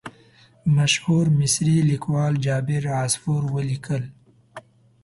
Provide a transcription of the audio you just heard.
مشهور مصري لیکوال جابر عصفور ولیکل.